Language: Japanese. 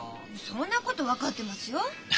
そんなこと分かってますよ。